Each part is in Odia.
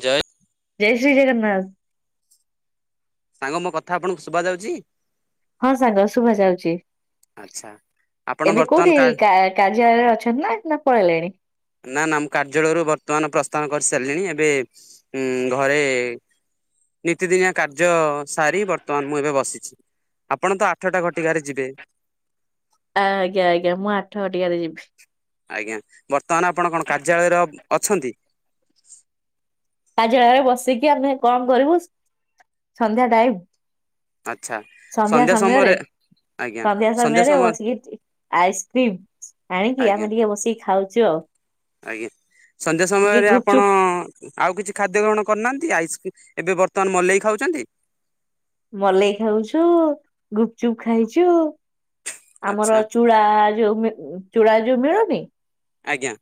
ଜୟେ ଜୟ ଶ୍ରୀ ଜଗନ୍ନାଥ। [inaudible] ସାଙ୍ଗ ମୋ କଥା ଆପଣଙ୍କୁ ଶୁଭା ଯାଉଛି? ହଁ ସାଙ୍ଗ ଶୁଭା ଯାଉଛି। ଆଚ୍ଛା ଆପଣ ଏବେ ବର୍ତ୍ତମାନ କୋଉଠି କା କାର୍ଯ୍ୟାଳୟରେ ଅଛନ୍ତି ନା ନା ପଳେଇଲେଣି? ନା ନା ମୁଁ କାର୍ଯ୍ୟାଳୟରୁ ବର୍ତ୍ତମାନ ପ୍ରସ୍ଥାନ କରିସାରିଲିଣି ଏବେ ଉଁ ଘରେ ନୀତିଦିନିଆ କାର୍ ଜ ସାରି ବର୍ତ୍ତମାନ ମୁଁ ଏବେ ବସିଛି। ଆପଣ ତ ଆଠଟା ଘଟିକାରେ ଯିବେ। ଆଜ୍ଞା, ଆଜ୍ଞା ମୁଁ ଆଠ ଘଟିକାରେ ଯିବି। ଆଜ୍ଞା ବର୍ତ୍ତମାନ ଆପଣ କଣ କାର୍ଯ୍ୟାଳୟର ଅଛନ୍ତି? କାଯେ ବସିକି ଆମେ ଆଉ କଣ କରିବୁ ସନ୍ଧ୍ୟା ଟାଇମ୍। ଆଚ୍ଛା, ସନ୍ଧ୍ୟା ସମୟରେ ଆଜ୍ଞା ସନ୍ଧ୍ୟା ସମୟରେ ସମୟ ବସିକି ଆଇସ୍କ୍ରିମ୍ ଆଣିକି ଆଜ୍ଞା, ଆମେ ଟିକେ ବସିକି ଖାଉଛୁ ଆଉ ଆଜ୍ଞା, ସନ୍ଧ୍ୟା ଟିକେ ସମୟରେ ଆପଣ ଗୁପଚୁପ୍ ଆଉ କିଛି ଖାଦ୍ୟ ଗ୍ରହଣ କରୁନାହାନ୍ତି? ଆଇସ୍କି ଏବେ ବର୍ତ୍ତମାନ ମଲେଇ ଖାଉଛନ୍ତି। ମଲେଇ ଖାଉଛୁ, ଗୁପଚୁପ ଖାଇଛୁ। ଆମର ଆଚ୍ଛା ଚୁଡ଼ା ଯୋଉ ମି-ଉଁ, ଚୁଡା ଯୋଉ ମିଳୁନି ଆଜ୍ଞା।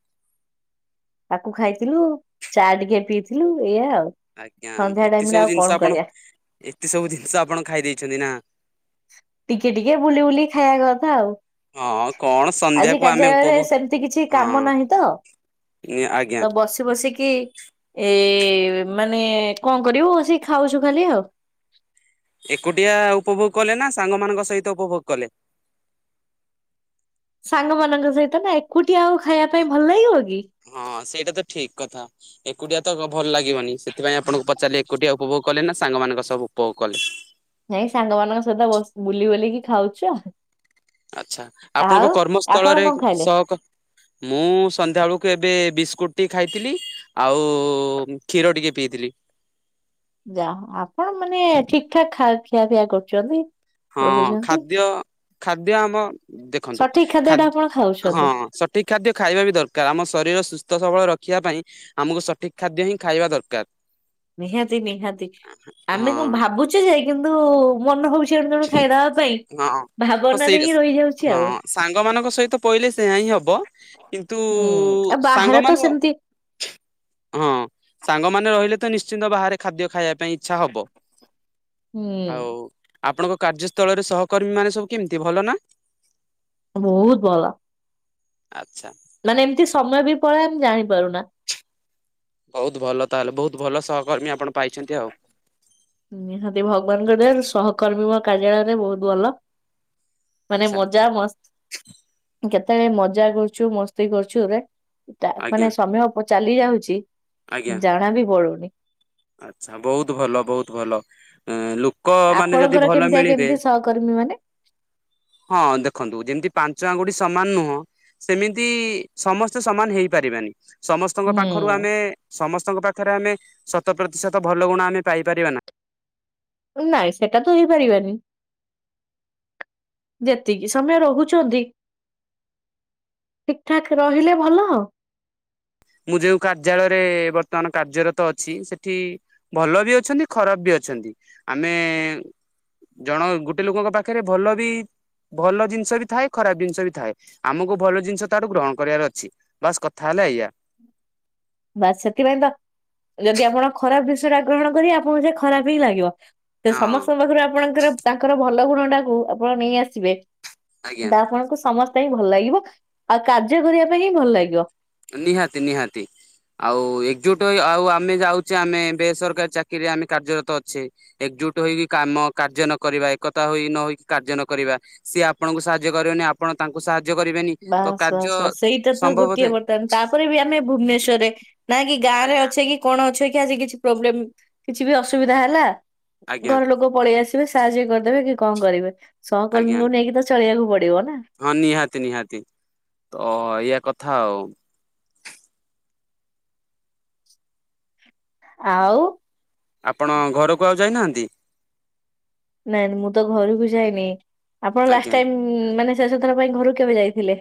ତାକୁ ଖାଇଥିଲୁ, ଚା ଟିକେ ପିଇଥିଲୁ ଏଇଆ। ଆଜ୍ଞା ସନ୍ଧ୍ୟା ଏତେ ଟାଇମ୍ ରେ ସବୁ ଆଉ କଣ ଜିନିଷ ଆପଣ, କରିବା। ଏତେ ସବୁ ଜିନିଷ ଆପଣ ଖାଇ ଦେଇେଛନ୍ତି ନା? ଟିକେ ଟିକେ ବୁଲି ବୁଲି ଖାଇବା କଥା ଆଉ। ହଁ କଣ ଆଜି ସନ୍ଧ୍ୟାକୁ ଆମେ କାର୍ଯ୍ୟାଳୟରେ ଉପଭୋଗ ସେମିତି କିଛି କାମ ହଁ ନାହିଁ ତ। ଆଜ୍ଞା ତ ବସି ବସି କି ଏ ଏ ମାନେ କଣ କରିବୁ ବସିକି ଖାଉଛୁ ଖାଲି ଆଉ। ଏକୁଟିଆ ଉପଭୋଗ କଲେ ନା ସାଙ୍ଗମାନଙ୍କ ସହିତ ଉପଭୋଗ କଲେ? ସାଙ୍ଗମାନଙ୍କ ସହିତ ନା ଏକୁଟିିଆ ଆଉ ଖାଇବା ପାଇଁ ଭଲ ଲାଗିବ। କି? ହଁ ସେଇଟା ତ ଠିକ କଥା, ଏକୁଟିଆ ତ ଗ-ଭଲ ଲାଗ ଗିବନି, ସେଥିପାଇଁ ଆପଣଙ୍କୁ ପଚାରିଲି ଏକୁଟିଆ ଉପଭୋଗ କଲେ ନା ସାଙ୍ଗମାନଙ୍କ ସହ ଉପଭୋଗ କଲେ। ନାଇଁ ସାଙ୍ଗମାନଙ୍କ ସହିତ ବସ୍ ବୁଲି ବାଲିକି ଖାଉଛୁ ଆ ଆଚ୍ଛା, ଆପଣଙ୍କ ଆପଣ କର୍ମସ୍ଥଳରେ କଣ ଖାଇଲେ? ସହକ, ମୁଁ ସନ୍ଧ୍ୟାବେଳକୁ ଏବେ ବିସ୍କୁଟ୍ ଟି ଖାଇଥିଲି, ଆଉ କ୍ଷୀର ଟିକେ ପିଇଥିଲି। ଯାହା ଆପଣ ମାନେ ଠିକ୍ ଠାକ୍ ଖା ଖିଆ ପିଆ କରୁଚନ୍ତି। ହଁ ଖାଦ୍ୟ, ଖାଦ୍ୟ ଆମ ଦେଖନ୍ତୁ ସଠିକ ଖାଦ୍ୟ ଟା ଖାଦ୍ ଆପଣ ହଁ ଖାଉଛନ୍ତି ସଠିକ ଖାଦ୍ୟ ଖାଇବା ବି ଦରକାର। ଆମ ଶରୀର ସୁସ୍ଥ ସବଳ ର ଖିବା ପାଇଁ ଆମକୁ ସଠିକ ଖାଦ୍ୟ ହିଁ ଖାଇବା ଦରକାର। ନିହାତି ନିହାତି, ଆମେ ହଁ କଣ ଭାବୁଚେ, ଯେ କିନ୍ତୁ ମନ ହଉ ହଁ, ହଁ ଭାବନାରେ ସେଇଟା ହିଁ ରହିଯାଉଛି ହଁ ଆଉ। ସାଙ୍ଗ ମାନଙ୍କ ସହିତ ପଇଲେ ସେୟା ହିଁ ହିଁ ହବ, କିନ୍ତୁ ହୁଁ ଆଉ ବାହାରେ ସାଙ୍ଗ ତ ମାନର ସେମିତି ହଁ ସାଙ୍ଗମାନେ ରହିଲେ ତ ନିଶ୍ଚିନ୍ତ ବାହାରେ ଖାଦ୍ୟ ଖାଇବା ପାଇଁ ଇଚ୍ଛା ହବ। ହୁଁ। ଆଉ ଆପଣଙ୍କ କାର୍ଯ୍ୟସ୍ଥଳରେ ସହକର୍ମୀ ମାନେ ସବୁ କେମିତି ଭଲ ନା? ବହୁତ ଭଲ। ଆଚ୍ଛା। ମାନେ ଏମିତି ସମୟ ବି ପଳାଏ ଆମେ ଜାଣି ପାରୁନା। ବହୁତ ଭଲ ତାହେଲେ, ବହୁତ ଭଲ ସହକର୍ମୀ ଆପଣ ପାଇଛନ୍ତି ଆଉ। ନିହାତି ଭଗବାନଙ୍କ ଦୟାରୁ ସହକର୍ମୀ ମୋ କାର୍ଯ୍ୟାଳୟରେ ବହୁତ ଭଲ। ମାନେ ଆଚ୍ଛା ମଜା ମସ୍ତ, କେତେବେଳେ ମଜା କରୁଛୁ ମସ୍ତି କରୁଛୁ, ଏବେ ତା ଆଜ୍ଞା ମାନେ ସମୟ ଚାଲି ଯାଉଚି ଆଜ୍ଞା ଜଣା ବି ପଡୁନି। ଆଚ୍ଛା, ବହୁତ ଭଲ ବହୁତ ଭଲ। ଏଁ, ଲୁ କ ମାନେ ଯଦି ଆପଣଙ୍କର ଭଲ କେମିତିଆ ମିଳିବେ କେମିତି ସହକର୍ମୀ ମାନେ? ହଁ ଦେଖନ୍ତୁ ଯେମିତି ପାଞ୍ଚ ଆଙ୍ଗୁଠି ସ ସମାନ ନୁହଁ ସେମିତି ସମସ୍ତେ ସମାନ ହେଇପାରିବେନି। ସମସ୍ତଙ୍କ ପାଖରୁ ଆମେ, ହୁଁ ସମସ୍ତଙ୍କ ପାଖରେ ଆମେ ସ ଶତ ପ୍ରତିଶତ ଭଲ ଗୁଣ ଆମେ ପାଇପାରିବା ନା? ନାଇଁ ସେଟା ତ ହେଇପାରିବନି। ଯେତିକି ସମୟ ରହୁଛନ୍ତି ଠିକଠାକ୍ ରହିଲେ ଭଲ ଆଉ। ମୁଁ ଯୋଉଁ କାର୍ଯ୍ୟାଳୟରେ ବର୍ତ୍ତମାନ କାର୍ଯ୍ୟରତ ଅଛି, ସେଠି ଭଲ ବି ଅଛନ୍ତି ଖରାପ ବି ଅ ଅଛନ୍ତି। ଆମେ ଜଣ ଗୋଟେ ଲୋକଙ୍କ ପାଖରେ ଭଲ ବି ଭଲ ଜିନିଷ ବି ଥାଏ। ଖରାପ ଜିନିଷ ବି ଥାଏ। ଆମକୁ ଭଲ ଜିନିଷ ତାଠାରୁ ଗ୍ରହଣ କରିବାର ଅଛି। ବାସ୍ କଥା ହେଲା ଏୟା। ବାସ ସେଥିପାଇଁ ତ ଯଦି ଆପଣ ଖରାପ ବିଷୟ ଟା ଗ୍ରହଣ କରିବେ। ଆପଣଙ୍କୁ ସେ ଖରାପ ହିଁ ଲାଗିବ। ସେ ହଁ ସମସ୍ତଙ୍କ ପାଖରୁ ଆପଣଙ୍କର ତାଙ୍କର ଭଲ ଗୁଣ ଟାକୁ ଆପଣ ନେଇ ଆସିବେ। ଆଜ୍ଞା। ତା ଆପଣଙ୍କୁ ସମସ୍ତେ ହିଁ ଭଲ ଲାଗିବ। ଆଉ କାର୍ଯ୍ୟ କରିବା ପାଇଁ ହିଁ ଭଲ ଲାଗିବ। ନିହାତି ନିହାତି। ଆଉ ଏକଜୁଟ ଆଉ ଆମେ ଯାଉଛେ। ଆମେ ବେସରକାରୀ ଚାକିରିରେ, ଆମେ କାର୍ଯ୍ୟରତ ଅଛେ। ଏକଜୁଟ ହୋଇକି କାମ କାର୍ଯ୍ୟ ନ କରିବା, ଏକତା ହୋଇ ନହୋଇ କାର୍ଯ୍ୟ ନ କରିବା, ସିଏ ଆପଣଙ୍କୁ ସାହାଯ୍ୟ କରିବନି। ଆ ଆପଣ ତାଙ୍କୁ ସାହାଯ୍ୟ କରିବେନି। ତ ବାସ୍ କାର୍ଯ୍ୟ ବାସ୍ ବାସ୍ ସେଇଟା ତ ଗୋଟିଏ ସମ୍ଭବତେ ତାପରେ ବି ଆମେ ଭୁବନେଶ୍ୱର ରେ ନା କି ଗାଁ ରେ ଆଜ୍ଞା ଅଛେ କି କଣ ଅଛେ କି ଆଜି କିଛି ପ୍ରୋବ୍ଲେମ, କିଛି ବି ଅସୁବିଧା ହେଲା ଆଜ୍ଞା ଘର ଲୋକ ପଳେଇ ଆସ ସାହାଯ୍ୟ କରିଦେବେ କି କଣ କରିବେ ଆଜ୍ଞା ସହକର୍ମୀଙ୍କୁ ନେଇକି ତ ଚଳିବାକୁ ପଡିବ। ନା ହଁ ନିହାତି ନିହାତି ତ ଏୟା କଥା ଆଉ ଆଉ ଆପଣ ଘରକୁ ଆଉ ଯାଇନାହାନ୍ତି? ନାଇଁ ମୁଁ ତ ଘରକୁ ଯାଇନି ଆପଣ ଲାଷ୍ଟ ଆଜ୍ଞା। ଟାଇମ ମାନେ ଶେଷଥର ପାଇଁ ଘରୁ କେବେ ଯାଇଥିଲେ?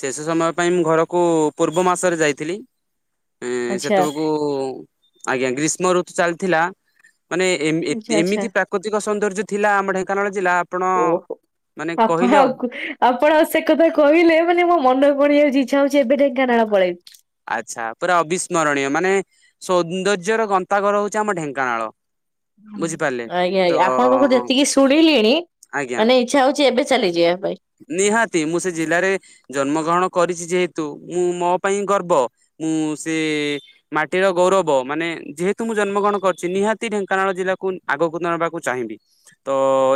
ଶେଷ ସମୟ ପାଇଁ ମୁଁ ଘରକୁ ପୂର୍ବ ମାସରେ ଯାଇଥିଲି। ଏଁ ଆଚ୍ଛା ସେତେବେଳକୁ ଆଜ୍ଞା ଗ୍ରୀଷ୍ମ ଋତୁ ଚାଲିଥିଲା। ମାନେ ଏ ଆଚ୍ଛା ଆଚ୍ଛା ଏମିତି ପ୍ରାକୃତିକ ସୌନ୍ଦର୍ଯ୍ୟ ଥିଲା ଆମ ଢେଙ୍କାନାଳ ଜିଲ୍ଲା ଆପଣ ଓହୋ ମାନେ କହିଲେ ଆପଣ ଆଉ ଆଉ ଆପଣ ସେ କଥା କହିଲେ ମାନେ ମୋ ମନେ ପଡିଯାଉଛି। ଇଚ୍ଛା ହଉଛି ଏବେ ଢେଙ୍କାନାଳ ପଳେଇବି। ଆଛା ପୁରା ଅବିସ୍ମରଣୀୟ ମାନେ ସୌନ୍ଦର୍ଯ୍ୟର ଗନ୍ତାଘର ହେଉଛି ଆମ ଢେଙ୍କାନାଳ। ବୁଝିପାରିଲେ ଆଜ୍ଞା ତ ଆଜ୍ଞା ଆପଣଙ୍କ ଠୁ ଯେତିକି ଶୁଣିଲିଣି ଆଜ୍ଞା ମାନେ ଇଚ୍ଛା ହେଉଛି ଏବେ ଚାଲିଯିବା ପାଇଁ। ନିହାତି ମୁଁ ସେ ଜିଲ୍ଲାରେ ଜନ୍ମ ଗ୍ରହଣ କରିଛି। ଯେହେତୁ ମୁଁ ମୋ ପାଇଁ ଗର୍ବ ମୁଁ ସେ ମାଟିର ଗୌରବ ମାନେ ଯେହେତୁ ମୁଁ ଜନ୍ମଗ୍ରହଣ କରିଛି ନିହାତି ଢେଙ୍କାନାଳ ଜିଲ୍ଲାକୁ ଆଗକୁ ନେବାକୁ ଚାହିଁବି। ତ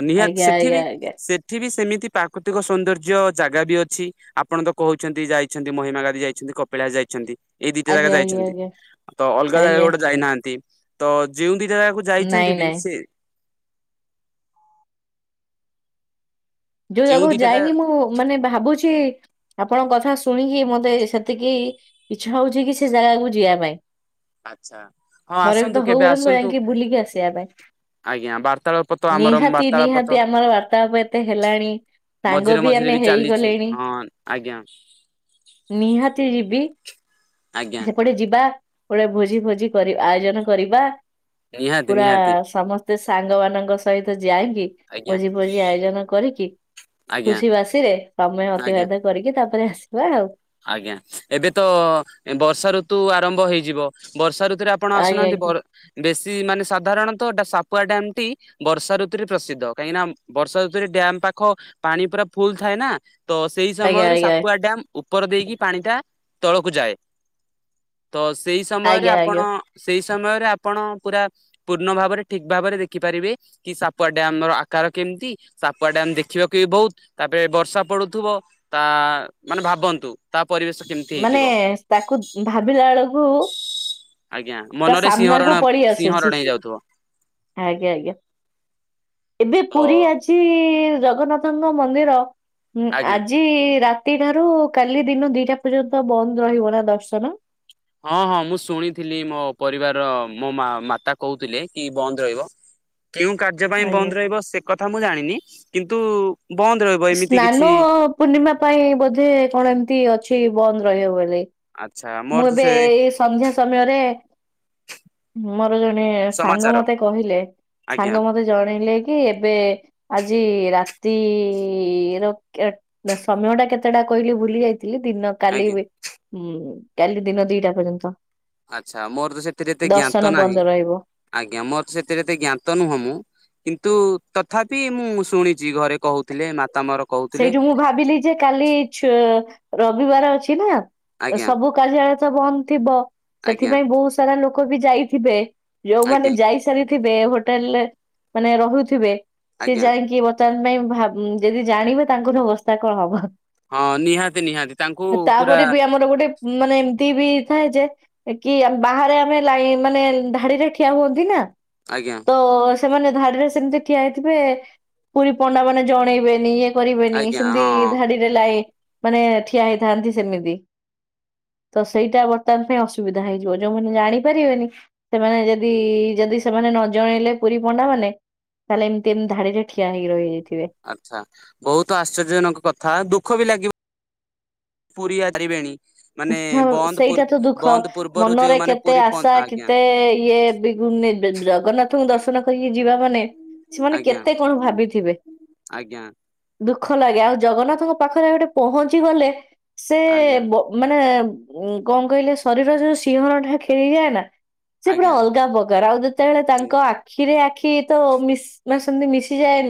ନିହାତି ଆଜ୍ଞା ସେଠି ଆଜ୍ଞା ବି ଆଜ୍ଞା ସେଠି ବି ସେମିତି ପ୍ରାକୃତିକ ସୌନ୍ଦର୍ଯ୍ୟ ଜାଗା ବି ଅଛି। ଆପଣତ କହୁଛନ୍ତି ଯାଇଛନ୍ତି ମହିମାଗାଧି ଯାଇଛନ୍ତି। କପିଳାସ ଯାଇଛନ୍ତି। ଏଇ ଦୁଇଟା ଜାଗା ଆଜ୍ଞା ଆଜ୍ଞା ଯାଇଛନ୍ତି। ଆଜ୍ଞା ତ ଅଲଗା ଜାଗା ଆଜ୍ଞା ଗୋଟେ ଯାଇନାହାନ୍ତି। ତ ଯେଉଁ ଦି ଜାଗାକୁ ନାଇଁ ଯାଇଛନ୍ତି ବି ନାଇଁ ସେ ଯେଉଁ ଜାଗା କୁ ଯାଇନି ମୁଁ ମାନେ ଭାବୁଛି ଆପଣଙ୍କ କଥା ଶୁଣିକି ମତେ ସେତିକି ଇଚ୍ଛା ହେଉଛିକି ସେ ଜାଗାକୁ ଯିବା ପାଇଁ। ଆଚ୍ଛା ହଁ ଥରେ ବି ଆସନ୍ତୁ ତ କେବେ ହଉ ଆସନ୍ତୁ ଯାଇକି ବୁଲିକି ଆସିବା ପାଇଁ। ଆଜ୍ଞା ବାର୍ତ୍ତାଳାପ ତ ଆମର ନିହାତି ବାର୍ତ୍ତାଳାପ ତ ନିହାତି ଆମର ବାର୍ତାଳାପ ଏତେ ହେଲାଣି ସାଙ୍ଗ ମଝିରେ ବି ମଝିରେ ଆମେ ଚାଲିଛି ହେଇଗଲେଣି। ହଁ ଆଜ୍ଞା ନିହାତି ଯିବି। ଆଜ୍ଞା ବି ହେପଟେ ଯିବା ଗୋଟେ ଭୋଜି ଫୋଜି ଆୟୋଜନ କରିବା। ନିହାତି ପୁରା ନିହାତି ସମସ୍ତେ ସାଙ୍ଗ ମାନଙ୍କ ସହିତ ଯାଇଁକି ଆଜ୍ଞା ଭୋଜି ଫୋଜି ଆୟୋଜନ କରିକି ଆଜ୍ଞା ଖୁସି ବାସିରେ ସମୟ ଆଜ୍ଞା ଅତିବାହିତ କରିକି ତାପରେ ଆସ ଆଜ୍ଞା ଏବେ ତ ବର୍ଷାଋତୁ ଆରମ୍ଭ ହୋଇଯିବ ବର୍ଷା ଋତୁ ରେ ଆପଣ ଆଜ୍ଞା ଆସୁନାହାନ୍ତି ବର ବେଶୀ ମାନେ ସାଧାରଣତ ସାପୁଆ ଡ୍ୟାମଟି ବର୍ଷାଋୁରେ ପ୍ରସିଦ୍ଧ କାହିଁକି ବର୍ଷାଋତୁରେ ଡ୍ୟାମ ପାଖ ପାଣି ପୁରା ଫୁଲ ଥାଏ ନା ତ ସେଇ ଆଜ୍ଞା ଆଜ୍ଞା ସମୟରେ ଆଜ୍ଞା ସାପୁଆ ଡ୍ୟାମ ଉପର ଦେଇକି ପାଣିଟା ତଳକୁ ଯାଏ। ତ ସେଇ ସମୟରେ ଆଜ୍ଞା। ଆପଣ ଆଜ୍ଞା ସେଇ ସମୟରେ ଆପଣ ପୁରା ପୂର୍ଣ୍ଣ ଭାବରେ ଠିକ ଭାବରେ ଦେଖିପାରିବେ କି ସାପୁଆ ଡାମର ଆକାର କେମ ତି ସାପୁଆ ଡାମ ଦେଖିବାକୁ ବହୁତ ତାପରେ ବର୍ଷା ପଡୁଥିବ ତା ମାନେ ଭାବ ବନ୍ତୁ ତା ପରିବେଶ କେମିତି ମାନେ ହେଇଥିବ ତାକୁ ଭାବିଲା ଳକୁ ଆଜ୍ଞା ମନରେ ସିଂହରଣ ଆସୁଛି ସିଂହରଣ ହେଇଯାଉଥିବ। ଆଜ୍ଞା ଆଜ୍ଞା। ଏବେ ତ ପୁରୀ ଆଜି ଜଗନ୍ନାଥଙ୍କ ମନ୍ଦିର ମଁ ଆଜ୍ଞା ଆଜି ରା ରାତିଠାରୁ କାଲି ଦିନ ଦିଟା ପର୍ଯ୍ୟନ୍ତ ବନ୍ଦ ରହିବ ନା ଦର୍ଶନ? ହଁ ହଁ ମୁଁ ଶୁଣିଥିଲି ମୋ ପରିବାରର ମୋ ମା ମାତା କହୁଥିଲେ କି ବନ୍ଦ ରହିବ। କେଉଁ କାର୍ଯ୍ୟ ପାଇଁ ବନ୍ଦ ଆଜ୍ଞା। ରହିବ ସେ କଥା ମୁଁ ଜାଣିନି କିନ୍ତୁ ବନ୍ଦ ରହିବ ଏମିତି କିଛି ସ୍ନାନପୂର୍ଣ୍ଣିମା ପାଇଁ ବୋଧେ କଣ ଏମିତି ଅଛି ବନ୍ଦ ରହିବ ବୋଲି। ଆଚ୍ଛା ମୋର ମୁଁ ତ ଏବେ ସେ ଏଇ ସନ୍ଧ୍ୟା ସମୟରେ ମୋର ଜଣେ ସାଙ୍ଗ ସମାଚାର ମତେ କହିଲେ ଆଜ୍ଞା ସାଙ୍ଗ ମତେ ଜଣେଇଲେ କି ଏବେ ଆଜ ଆଜି ରାତି ର କେ ସମୟଟା କେତେଟା କହିଲି ଭୁଲିଯାଇ ଥିଲି ଦିନ କାଲି ଆଜ୍ଞା ବି ମ କାଲି ଦିନ ଦିଇଟା ପର୍ଯ୍ୟନ୍ତ। ଆଛା ମୋର ତ ସେଥିରେ ଏତେ ଜ୍ଞାତ ଦର୍ଶନ ତ ନାହିଁ ବନ୍ଦ ରହିବ। ଆଜ୍ଞା ମୋର ସେଥିରେ ତ ଜ୍ଞାତ ନୁହଁ ମୁଁ କିନ୍ତୁ ତଥାପି ମୁଁ ଶୁଣିଚି ଘରେ କହୁଥିଲେ ମା ସେଇଠୁ ମୁଁ ଭାବିଲି ଯେ କାଲି ଛୁ ରବିବାର ଅଛି ନା ଆଜ୍ଞା ସବୁ କାର୍ଯ୍ୟାଳୟ ତ ବନ୍ଦ ଥିବ ଆଜ୍ଞା ସେଥିପାଇଁ ବହୁତ ସାରା ଲୋକ ବି ଯାଇଥିବେ ଯୋଉମାନେ ଆଜ୍ଞା ଯାଇସାରିଥିବେ ହୋଟେଲରେ ମାନେ ରହୁଥିବେ ସିଏ ଆଜ୍ଞା ଯାଇଁଙ୍କି ତାଙ୍କ ପାଇଁ ଯଦି ଜାଣିବ ତାଙ୍କର ଅବସ୍ଥା କଣ ହବ। ହଁ ନିହାତି ନିହାତି ତାଙ୍କୁ ପୁରା ତାପରେ ବି ଆମର ଗୋଟେ ମାନେ ଏମତି ବି ଥାଏ ଯେ କି ଆମ ବାହାରେ ଆମେ ଲାଇନ ମାନେ ଧାଡିରେ ଠିଆ ହୁଅନ୍ତି ନା ଆଜ୍ଞା। ତ ସେମାନେ ଧାଡିରେ ସେମିତି ଠିଆ ହେଇଥିବେ ପୁରୀ ପଣ୍ଡା ମାନେ ଜଣେଇବେନି ଇଏ କରିବେନି ଆଜ୍ଞା ସେମିତି ହଁ ଧାଡିରେ ଲାଇ ମାନେ ଠିଆ ହେଇଥାନ୍ତି ସେମିତି। [inaudible] ତ ସେଇଟା ବର୍ତ୍ତମାନ ପାଇଁ ଅସୁବିଧା ହେଇଯିବ ଯୋଉମାନେ ଜାଣିପାରିବେନି ସେମାନେ ଯଦି ଯଦି ସେମାନେ ନ ଜଣେଇଲେ ପୁରୀ ପଣ୍ଡା ମାନେ ତାହେଲେ ଏମିତି ଏମିତି ଧାଡି ରେ ଠିଆ ହେଇି ରହିଯାଇଥିବେ। ଆଚ୍ଛା। ବହୁତ ଆଶ୍ଚର୍ଯ୍ୟଜନକ କଥା ଦୁଃଖ ବି ଲାଗିବ ପୁରୀ [unintelligible] ବନ୍ଦ ସେଇଟା ପୂର୍ବ ତ ଦୁଃଖ ବନ୍ଦ ପୂର୍ବରୁ ମନରେ ଯୋଉମାନେ କେତେ ପୁରୀ ପ ଆଶା ଆଜ୍ଞା କେତେ ଇଏ ବି ଗୁ ନେବେ ଜଗନ୍ନାଥଙ୍କୁ ଦର୍ଶ ନ କରିକି ଯିବା ମାନେ ସେମାନେ ଆଜ୍ଞା କେତେ କଣ ଭାବିଥିବେ। ଆଜ୍ଞା ଦୁଃଖ ଲାଗେ ଆଉ ଜଗନ୍ନାଥଙ୍କ ପାଖରେ ଗୋଟେ ପହଞ୍ଚି ଗଲେ ସେ ଆଜ୍ଞା ବ ମାନେ ଉ କଣ କହିଲେ ଶରୀର ରେ ସିଂହରଣ ଟା ଖେଳିଯାଏ ନା ସେ ପୁରା ଆଜ୍ଞା ଅଲଗା ପକାର ଆଉ ଯେତେବେଳେ ତାଙ୍କ ଆଖିରେ ଆଖୀ କି ତ ମିସ ମାନେ ସେମତି ମିଶିଯାଏ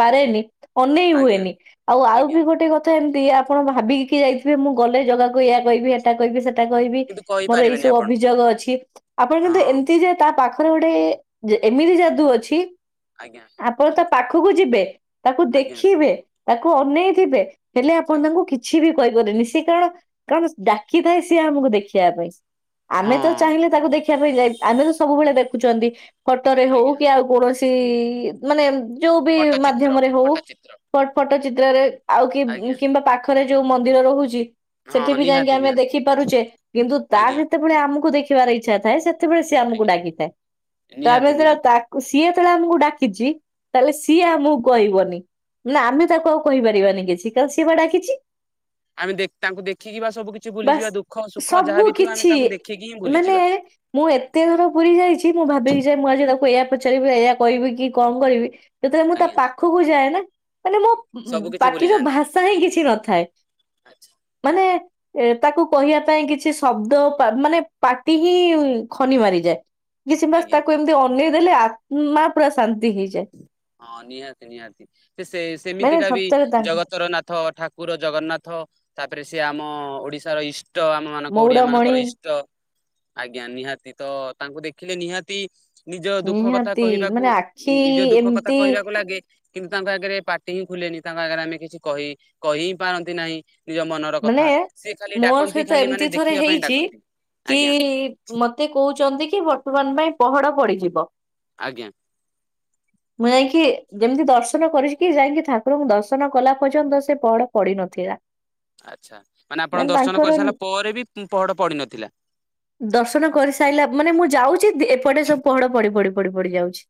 ପାରେନି ଅନେଇ ଆଜ୍ଞା ହୁଏନି ଆଉ ଆଉ ଆଜ୍ଞା ବି ଗୋଟେ କଥା ଏମିତି ଆପଣ ଭାବିକି କି ଯାଇଥିବେ ମୁଁ ଗଲେ ଜଗା କୁ କୁ ଏୟା କଇବି ଏଟା କହିବି ସେ ଟା କହିବି କିନ୍ତୁ ମୋର ଏଇ କହିପାରିବେନି ସବୁ ଆପଣ ଅଭିଯୋଗ ଅଛି। ଆପଣ କିନ୍ତୁ ହଁ ଏମିତି ଯେ ତା ପାଖ ପାଖରେ ଗୋଟେ ଯେ ଏମିତି ଯାଦୁ ଅଛି ଆଜ୍ଞା ଆପଣ ତା ପାଖକୁ ଯିବେ ତାକୁ ଆଜ୍ଞା ଦେଖିବେ ତାକୁ ଅନେଇଥିବେ ହେଲେ ଆପଣ ଆଜ୍ଞା ତାଙ୍କୁ କିଛି ବି କହିପାରନି ସେ କାରଣ କଣ ଡାକିଥାଏ ସିଏ ଆମକୁ ଦେଖିବା ପାଇଁ। ଆମେ ତ ହଁ ଚାହିଁଲେ ତାକୁ ଦେଖିବା ପାଇଁ ଯାଇ ଆମେ ତ ସବୁବେଳେ ଦେଖୁଚନ୍ତି ଫୋଟୋରେ ହଉ ଆଜ୍ଞା କି ଆଉ କୌଣସି ମାନେ ଏ ଯୋଉ ବି ପଟ୍ଟଚିତ୍ର ମାଧ୍ୟମରେ ହଉ ପଟ୍ଟଚିତ୍ର ଫଟ ପଟ ଚିତ୍ରରେ ଆଉ କି ଆଜ୍ଞା କିମ୍ବା ପାଖରେ ଯୋଉ ମନ୍ଦିର ରହୁଛି ହଁ ସେଠି ବି ଯାଇକି ନିହାତି ଆମେ ନିହାତି ଦେଖିପାରୁଚେ କିନ୍ତୁ ତା ଭିତ ଆଜ୍ଞା ଯେତେବେଳେ ଆମକୁ ଦେଖ ଖିବାର ଇଚ୍ଛ ଥାଏ ସେତେବେଳେ ସିଏ ଆମକୁ ଆଜ୍ଞା ଡାକିଥାଏ। ତ ଆମେ ନିହାତି ଯେ ନିହାତି ତାକୁ ସିଏ ଯେତେବେଳେ ଆମକୁ ଡାକିଚି ତାହେଲେ ସିଏ ଆମକୁ କଇବନି। ନା ଆମେ ତାକୁ ଆଉ କହିପାରିବାନି କିଛି କ ସିଏ ବା ଡାକିଚି। ଆମେ ଦେ ତାଙ୍କୁ ଦେଖିକି ବା ସବୁ କିଛି ଭୁଲିଯିବା ଦୁଃଖ ସୁଖ ସବୁ ଯାହାବି ଥିବ ଆମେ କିଛି ତାକୁ ଦେଖିକି ହିଁ ମାନେ ଭୁଲିଯିବା। ମୁଁ ଏତେ ଥର ପୁରୀ ଯାଇଛି ମୁଁ ଭାବିକି ଯେ ମୁଁ ଆଜି ତାକୁ ଏଇଆ ପଚାରିବି ଏଇଆ କଇବି କି କଣ କରିବି? ଯେତେବେଳେ ମୁଁ ତା ଆଜ୍ଞା ପାଖକୁ ଯାଏ ନା ମାନେ ମୋ ଆଜ୍ଞା ସବୁ କିଛି ଭୁଲି ପାଟିର ଯାଆନ୍ତି ଭାଷା ହିଁ କିଛି ନଥାଏ ଆଚ୍ଛା ମାନେ ତାକୁ କହିବା ପାଇଁ କିଛି ଶବ୍ଦ ମାନେ ପାଟି ହିଁ ଖନି ମାରିଯାଏ। କିଛି ମାସ ଆଜ୍ଞା ତାକୁ ଏମିତି ଅନେଇ ଦେଲେ ଆତ୍ମା ପୁରା ଶାନ୍ତି ହେଇଯାଏ। ହଁ ନିହାତି ନିହାତି ସେ ସେ ମାନେ ସେମିତିକା ବି ସତରେ ତାଙ୍କ ଜଗତର ନାଥ ଠାକୁର ଜଗନ୍ନାଥ। ତାପରେ ସିଏ ଆମ ଓଡିଶାର ଇଷ୍ଟ ଆମ ମାନଙ୍କ ଓଡିଆ ମାନଙ୍କର ମଉଡମଣି ଇଷ୍ଟ। ଆଜ୍ଞା ନିହାତି ତ ତାଙ୍କୁ ଦେଖିଲେ ନିହାତି ନିଜ ଦୁଃଖ କଥା ନିହାତି କହିବାକୁ ମାନେ ଆଖି ନିଜ ଦୁଃଖ କଥା ଏମିତି କହିବାକୁ ଲାଗେ। କିନ୍ତୁ ତାଙ୍କ ଆଗରେ ପାଟି ହିଁ ଖୁଲେନି ତାଙ୍କ ଆଗରେ ଆମେ କିଛି କହି କହି ହିଁ ପାରନ୍ତି ନାହିଁ। ନିଜ ମନର ମାନେ କଥା। ସିଏ ଖାଲି ମୋ ଡାକନ୍ତି ସହିତ ଖାଲି ଏମିତି ମାନେ ଥରେ ଦେଖିବା ପାଇଁ ହେଇଛି ଡାକନ୍ତି। କି ଆଜ୍ଞା ମତେ କହୁଚନ୍ତି କି ବର୍ତ୍ତମାନ ପାଇଁ ପହଡ ପଡିଯିବ। ଆଜ୍ଞା। ମୁଁ ଯାଇଁକି ଯେମିତି ଦର୍ଶନ କରିଛି କି ଯାଇକି ଠାକୁରଙ୍କୁ ଦର୍ଶନ କଲା ପର୍ଯ୍ୟନ୍ତ ସେ ପହଡ ପଡ଼ିନଥି ଲା। ଆଚ୍ଛା ମାନେ ଆପଣ ଦର୍ଶନ କରିସାରିଲା ପରେ ବି ପହଡ ପଡିିନଥିଲା। ଦର୍ଶନ କରିସାଇଲା ମାନେ ମୁଁ ଯାଉଚି ଏପଟେ ସବୁ ପହଡ ପଡି ପଡି ପଡି ପଡି ଯାଉଛି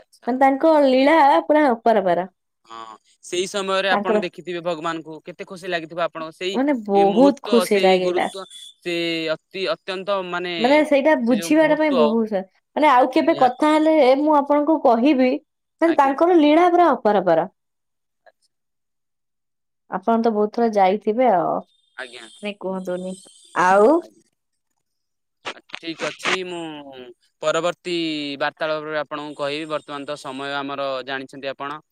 ଆଚ୍ଛା ମାନେ ତାଙ୍କ ଲୀଳା ପୁରା ଆପାରପାର। ହଁ ସେଇ ସମୟରେ ଆପଣ ଦେଖିଥିବେ ଭଗବାନଙ୍କୁ କେତେ ଖୁସି ଲାଗିଥିବା ଆପଣ ସେଇ ମାନେ ବହୁତ ମୁହୂର୍ତ୍ତ ଖୁସି ସେଇ ଲାଗିଲା। ଗୁରୁତ୍ୱ ସେ ଅତି ଅତ୍ୟନ୍ତ ମାନେ ନା ସେଇଟା ସେ ଯୋଉ ବୁଝିବାଟା ପାଇଁ ମୁହୂର୍ତ୍ତ ବହୁତ ସା ମାନେ ଆଉ କେବେ ନିହାତି କଥା ହେଲେ ଏ ମୁଁ ଆ ପଣଙ୍କୁ କହିବି ତା-ତାଙ୍କର ଲୀଳା ପରା ଅପାରପାର। ଆଚ୍ଛା। ଆପଣ ତ ବହୁତ ଥର ଯାଇଥିବେ ଆଉ ଆଜ୍ଞା ନାଇ କୁହନ୍ତୁନି। ଆଉ ଆଜ୍ଞା ଠିକ ଅଛି ମୁଁ ପରବର୍ତ୍ତୀ ବାର୍ତ୍ତାଳାପରେ ଆପଣଙ୍କୁ କହିବି ବର୍ତ୍ତମାନ ତ ସମୟ ଆମର ଜାଣିଛନ୍ତି ଆପଣ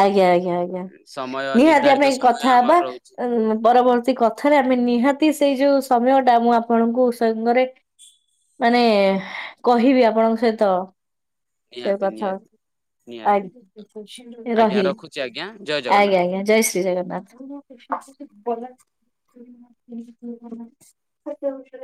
ଆଜ୍ଞା ଆଜ୍ଞା ଆଜ୍ଞା। ସମୟ ନିହାତି ନିର୍ଦ୍ଧାରିତ ଆମେ ସମୟ କଥା ଆମର ହବା ରହୁଛି ଉ ପରବର୍ତ୍ତୀ କଥାରେ ଆମେ ନିହାତି ସେଇ ଯୋଉ ସମୟ ଟା ମୁଁ ଆପଣଙ୍କୁ ସାଙ୍ଗରେ ମାନେ କହିବି ଆପଣଙ୍କ ସହିତ ସେ ନିହାତି କଥା ନିହାତି ଆ ନିହାତି ଠିକ୍ ଅଛି। ଆଜ୍ଞା ରହିଲି ରଖୁଛି ଆଜ୍ଞା ଜୟ ଜଗନ୍ନାଥ। ଆଜ୍ଞା ଆଜ୍ଞା ଜୟ ଶ୍ରୀ ଜଗନ୍ନାଥ। [unintelligible]